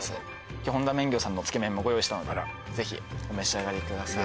今日本田麺業さんのつけ麺もご用意したのでぜひお召し上がりください